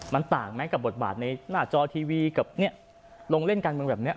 มันต่างไหมกับบทบาทในหน้าจอทีวีกับเนี้ยลงเล่นกันมึงแบบเนี้ย